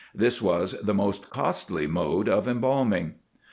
This was the most costly mode of embalming.